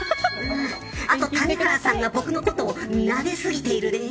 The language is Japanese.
あと谷原さんが僕のことをなですぎているね。